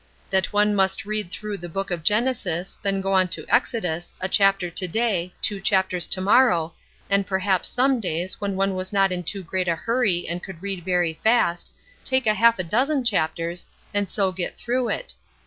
That one must read through the Book of Genesis, and then go on to Exodus, a chapter to day, two chapters to morrow, and perhaps some days, when one was not in too great a hurry and could read very fast, take half a dozen chapters, and so get through it.